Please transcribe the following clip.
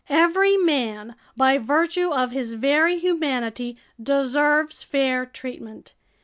Every man, by virtue of his very humanity, deserves fair treatment.